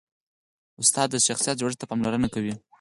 استاد د شخصیت جوړښت ته پاملرنه کوي.